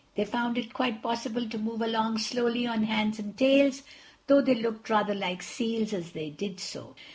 They found it quite possible to move along slowly on hands and tails, though they looked rather like seals as they did so.